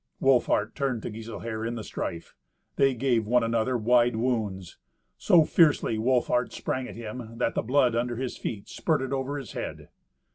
Wolfhart turned to Giselher in the strife. They gave one another wide wounds. So fiercely Wolfhart sprang at him that the blood under his feet spurted over his head.